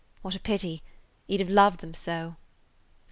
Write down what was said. What a pity! He 'd have loved them so.